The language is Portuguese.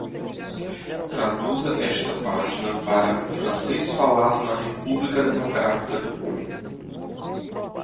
Traduza esta página para o francês falado na República Democrática do Congo